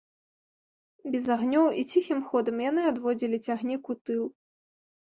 Без агнёў і ціхім ходам яны адводзілі цягнік у тыл.